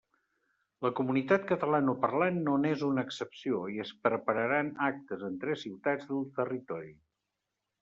La comunitat catalanoparlant no n'és una excepció i es prepararan actes en tres ciutats del territori.